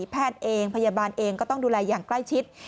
แพทย์เองพยาบาลเองก็ต้องดูแลอย่างใกล้ชิด